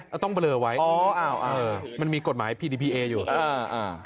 ต้องเบลอไว้อ๋ออ้าวเออมันมีกฎหมายพีดีพีเออยู่อ่าอ่า